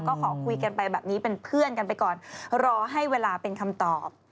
ก็ขอคุยกันไปแบบนี้เป็นเพื่อนกันไปก่อนรอให้เวลาเป็นคำตอบ